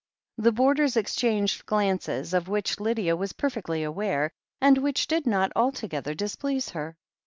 The boarders exchanged glances, of which Lydia was perfectly aware, and which did not altogether displease her.